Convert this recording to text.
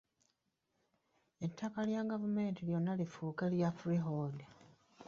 Ettaka lya gavumenti lyonna lifuuke lya freehold.